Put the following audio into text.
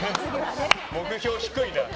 目標低いな。